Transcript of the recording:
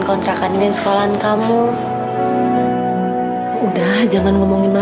cinta mampu pulihkan luka